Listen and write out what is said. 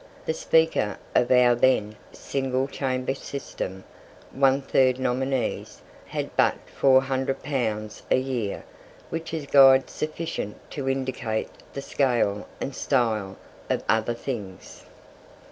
The Speaker of our then single Chamber system one third nominees had but 400 pounds a year, which is guide sufficient to indicate the scale and style of other things.